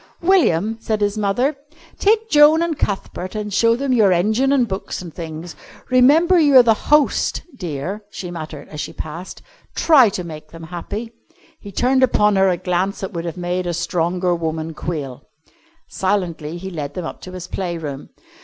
"William," said his mother, "take Joan and Cuthbert and show them your engine and books and things. Remember you're the host, dear," she murmured as he passed. "Try to make them happy." He turned upon her a glance that would have made a stronger woman quail. Silently he led them up to his play room.